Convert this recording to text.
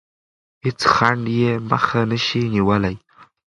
هیڅ خنډ یې مخه نه شي نیولی.